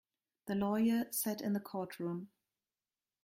The lawyer sat in the courtroom.